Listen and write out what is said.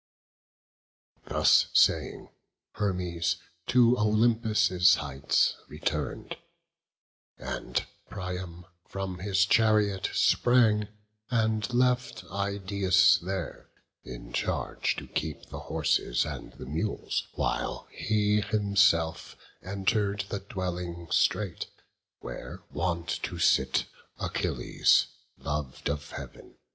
Thus saying, Hermes to Olympus' heights Return'd; and Priam from his chariot sprang, And left Idaeus there, in charge to keep The horses and the mules, while he himself Enter'd the dwelling straight, where wont to sit Achilles, lov'd of Heav'n.